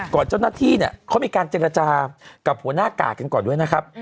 เจ้าหน้าที่เนี่ยเขามีการเจรจากับหัวหน้ากาดกันก่อนด้วยนะครับ